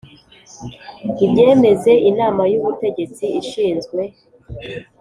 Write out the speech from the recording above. ibyemeze Inama y ubutegetsi ishinzwe